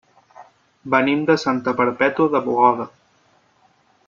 Venim de Santa Perpètua de Mogoda.